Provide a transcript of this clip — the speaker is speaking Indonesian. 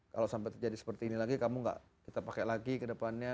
kalau sampai terjadi seperti ini lagi kamu nggak kita pakai lagi kedepannya